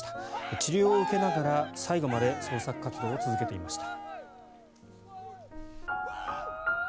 治療を受けながら最後まで創作活動を続けていました。